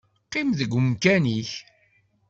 Qqim deg umkan-ik.